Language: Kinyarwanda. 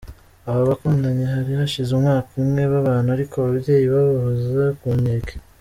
Aba bakundanye hari hashize umwaka umwe babana ariko ababyeyi babahoza ku nkeke.